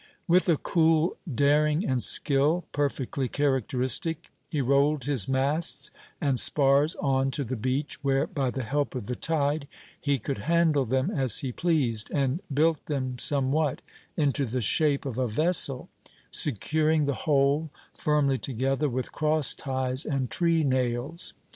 With a cool daring and skill, perfectly characteristic, he rolled his masts and spars on to the beach, where, by the help of the tide, he could handle them as he pleased, and built them somewhat into the shape of a vessel, securing the whole firmly together with cross ties and treenails.